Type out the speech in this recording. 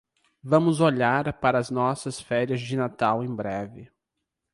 Vamos olhar para as nossas férias de Natal em breve.